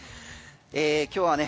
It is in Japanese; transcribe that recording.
今日はね